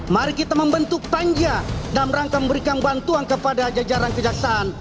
mari kita membentuk tanja dan merangkang memberikan bantuan kepada jajaran kejaksaan